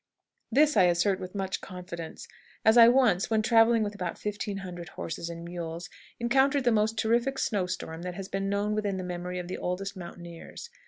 This I assert with much confidence, as I once, when traveling with about 1500 horses and mules, encountered the most terrific snow storm that has been known within the memory of the oldest mountaineers.